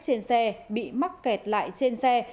trên xe bị mắc kẹt lại trên xe